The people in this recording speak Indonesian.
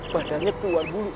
badannya keluar bulu